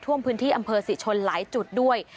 ท่วมพื้นที่อำเภอศรีชนหลายจุดด้วย